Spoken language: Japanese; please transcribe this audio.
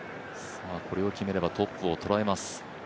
これを決めればトップをとらえます。